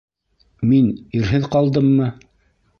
Мин... ирһеҙ ҡалдыммы?